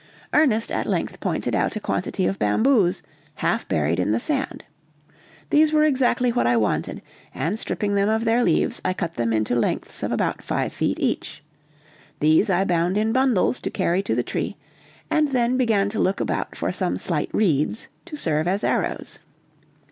Ernest at length pointed out a quantity of bamboos, half buried in the sand. These were exactly what I wanted, and stripping them of their leaves I cut them into lengths of about five feet each; these I bound in bundles to carry to the tree, and then began to look about for some slight reeds to serve as arrows.